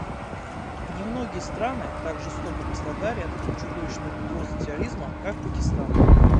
Немногие страны так жестоко пострадали от чудовищной угрозы терроризма, как Пакистан.